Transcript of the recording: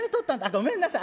ごめんなさい。